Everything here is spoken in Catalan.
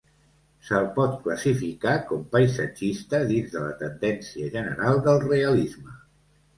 Se'l pot classificar com paisatgista dins de la tendència general del Realisme.